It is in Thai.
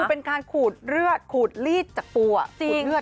คือเป็นการขูดเลือดขูดลีดจากปู